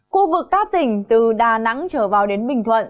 khu vực các tỉnh từ đà nẵng trở vào đến bình thuận